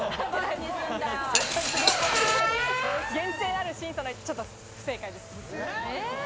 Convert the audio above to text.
厳正なる審査なんで、ちょっと不正解です。